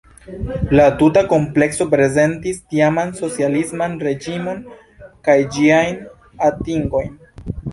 La tuta komplekso prezentis tiaman socialisman reĝimon kaj ĝiajn atingojn.